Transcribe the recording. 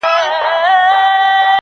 یو څوک دي ووایي چي کوم هوس ته ودرېدم .